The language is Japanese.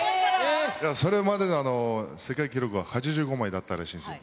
それまでの世界記録は８５枚だったらしいんですよ。